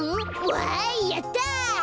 わいやった。